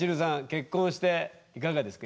結婚していかがですか？